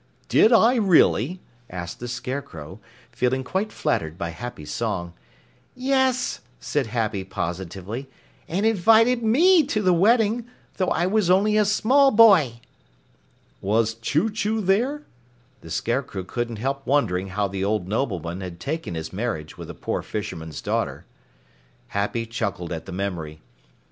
"Did I really?" asked the Scarecrow, feeling quite flattered by Happy's song. "Yes," said Happy positively, "and invited me to the wedding, though I was only a small boy." "Was Chew Chew there?" The Scarecrow couldn't help wondering how the old Nobleman had taken his marriage with a poor fisherman's daughter. Happy chuckled at the memory.